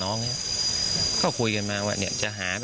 โป่งแร่ตำบลพฤศจิตภัณฑ์